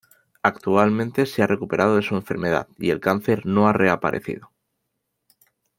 Actualmente, se ha recuperado de su enfermedad y el cáncer no ha reaparecido.